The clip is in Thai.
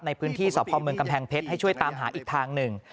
ในพื้นที่สพเมืองกำแพงเพชรให้ช่วยตามหาอีกทางหนึ่ง